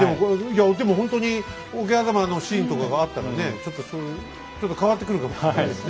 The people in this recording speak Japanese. でもほんとに桶狭間のシーンとかがあったらねちょっと変わってくるかもしれないですね。